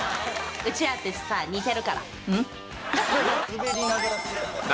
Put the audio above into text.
うちらってさ似てるから。